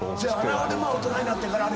ほんで大人になってから。